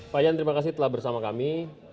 pak yan terima kasih telah bersama kami